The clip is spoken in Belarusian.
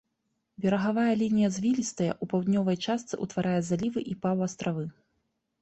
Берагавая лінія звілістая, у паўднёвай частцы ўтварае залівы і паўастравы.